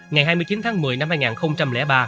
ngày hai mươi chín tháng một mươi năm hai nghìn ba